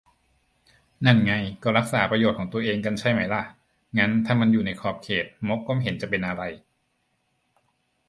นั่นไง ก็รักษาประโยชน์ตัวเองกันใช่ไหมล่ะ งั้นถ้ามันอยู่ในขอบเขต ม็อบก็ไม่เห็นจะเป็นอะไร